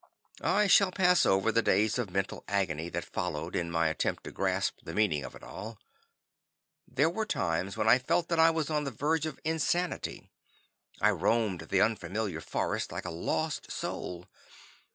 I shall pass over the days of mental agony that followed in my attempt to grasp the meaning of it all. There were times when I felt that I was on the verge of insanity. I roamed the unfamiliar forest like a lost soul.